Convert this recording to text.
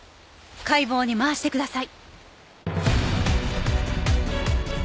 解剖に回してください。